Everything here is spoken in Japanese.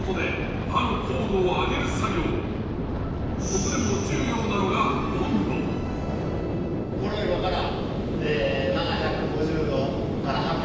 ここでも重要なのがこれを今から。